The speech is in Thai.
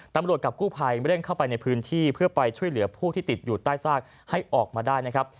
กับกู้ภัยเร่งเข้าไปในพื้นที่เพื่อไปช่วยเหลือผู้ที่ติดอยู่ใต้ซากให้ออกมาได้นะครับ